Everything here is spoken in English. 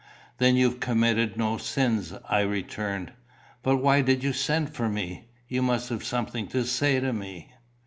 "Then you've committed no sins?" I returned. "But why did you send for me? You must have something to say to me."